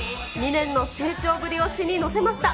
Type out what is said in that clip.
２年の成長ぶりを詩に乗せました。